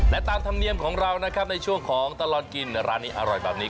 และตามธรรมเนียมของเรานะครับในช่วงของตลอดกินร้านนี้อร่อยแบบนี้